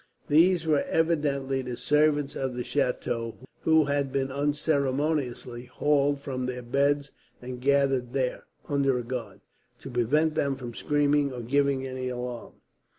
These were evidently the servants of the chateau, who had been unceremoniously hauled from their beds and gathered there, under a guard, to prevent them from screaming or giving any alarm.